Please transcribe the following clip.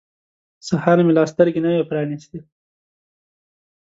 سهار مې لا سترګې نه وې پرانیستې.